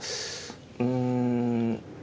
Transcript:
うん。